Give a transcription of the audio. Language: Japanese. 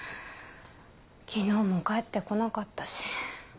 昨日も帰ってこなかったし。